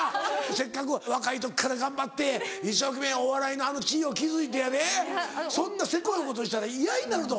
せっかく若い時から頑張って一生懸命お笑いのあの地位を築いてやでそんなせこいことしたら嫌になるぞ。